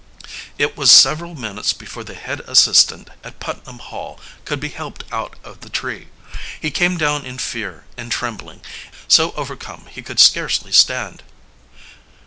It was several minutes before the head assistant at Putnam Hall could be helped out of the tree. He came down in fear and trembling, so overcome he could scarcely stand.